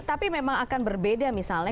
tapi memang akan berbeda misalnya